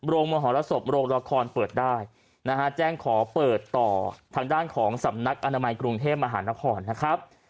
มหรสบโรงละครเปิดได้นะฮะแจ้งขอเปิดต่อทางด้านของสำนักอนามัยกรุงเทพมหานครนะครับ